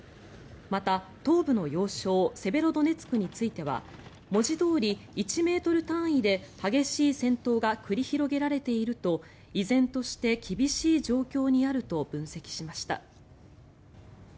また、東部の要衝セベロドネツクについては文字どおり１ｍ単位で激しい戦闘が繰り広げられていると依然として厳しい状況にあると分析しました。